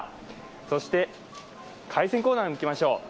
そして海鮮コーナーに行きましょう。